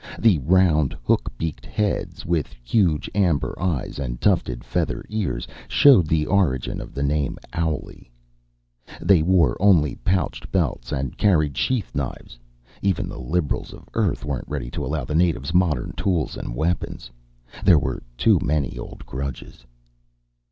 The round, hook beaked heads, with huge amber eyes and tufted feather ears, showed the origin of the name "owlie." They wore only pouched belts and carried sheath knives; even the liberals of Earth weren't ready to allow the natives modern tools and weapons. There were too many old grudges.